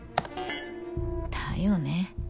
だよね